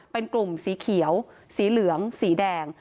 เป็นกลุ่มสีเขียวสีเหลืองสีแดง